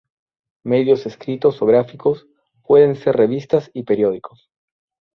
Medios escritos o gráficos: Pueden ser revistas y periódicos.